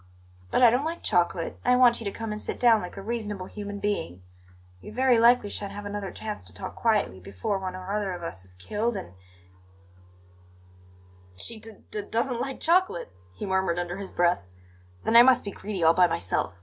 "But I don't like chocolate, and I want you to come and sit down like a reasonable human being. We very likely shan't have another chance to talk quietly before one or other of us is killed, and " "She d d doesn't like chocolate!" he murmured under his breath. "Then I must be greedy all by myself.